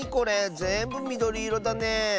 ぜんぶみどりいろだね。